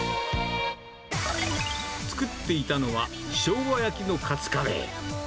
作っていたのは、しょうが焼きのカツカレー。